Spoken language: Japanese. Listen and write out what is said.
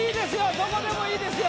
どこでもいいですよ